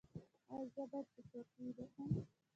ایا زه باید په شور کې ویده شم؟